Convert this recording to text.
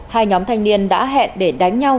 hai nhóm thanh niên đã hẹn để đánh nhau